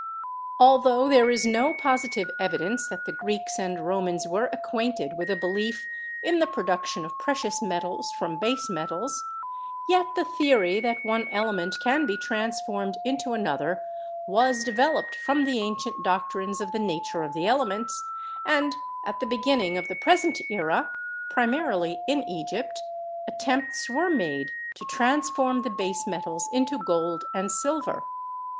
Altho there is no positive evidence that the Greeks and Romans were acquainted with a belief in the production of precious metals from base metals, yet the theory that one element can be transformed into another was developed from the ancient doctrines of the nature of the elements, and at the beginning of the present era, primarily in Egypt, attempts were made to transform the base metals into gold and silver.